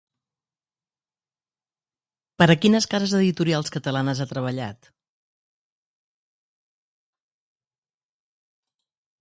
Per a quines cases editorials catalanes ha treballat?